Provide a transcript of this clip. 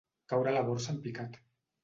Caure la borsa en picat.